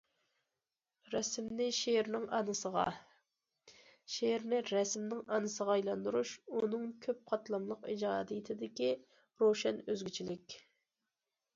رەسىمنى شېئىرنىڭ ئانىسىغا، شېئىرنى رەسىمنىڭ ئانىسىغا ئايلاندۇرۇش ئۇنىڭ كۆپ قاتلاملىق ئىجادىيىتىدىكى روشەن ئۆزگىچىلىك.